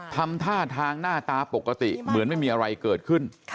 ทำท่าทางหน้าตาปกติเหมือนไม่มีอะไรเกิดขึ้น